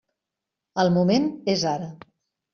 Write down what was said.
El moment és ara.